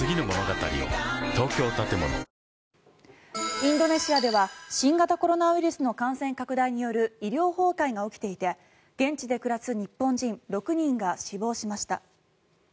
インドネシアでは新型コロナウイルスの感染拡大による医療崩壊が起きていて現地で暮らす日本人６人が死亡しました。